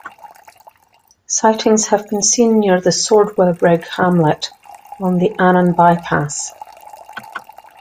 Sightings have been seen near the Swordwellrigg hamlet on the Annan bypass.